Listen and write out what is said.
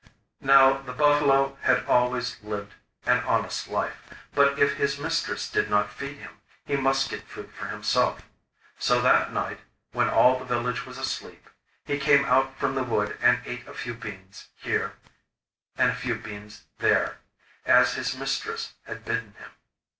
Now the buffalo had always lived an honest life, but if his mistress did not feed him, he must get food for himself. So that night, when all the village was asleep, he came out from the wood and ate a few beans here and a few there, as his mistress had bidden him.